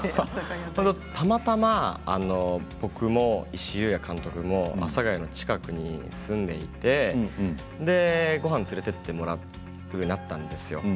たまたま僕も石井裕也監督も阿佐ヶ谷の近くに住んでいてごはんに連れて行ってもらうようになったんですよ。